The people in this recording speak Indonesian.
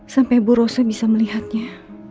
sampai bu rosa bisa melihatnya